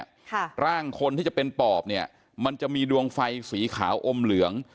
ค่ะร่างคนที่จะเป็นปอบเนี้ยมันจะมีดวงไฟสีขาวอมเหลือง